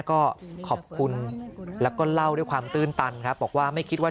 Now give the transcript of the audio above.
ก็ขอบคุณแล้วก็เล่าด้วยความตื้นตันครับบอกว่าไม่คิดว่า